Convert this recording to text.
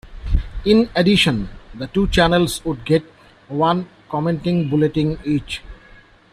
In addition, the two channels would get one "commenting bulletin" each.